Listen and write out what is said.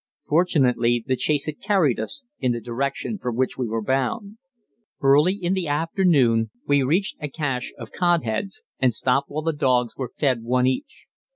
Fortunately the chase had carried us in the direction for which we were bound. Early in the afternoon we reached a cache of cod heads, and stopped while the dogs were fed one each.